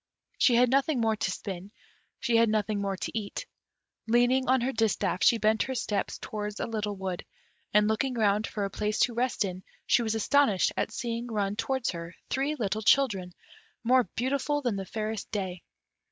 She had nothing more to spin, she had nothing more to eat: leaning on her distaff, she bent her steps towards a little wood, and looking round for a place to rest in, she was astonished at seeing run towards her three little children, more beautiful than the fairest day.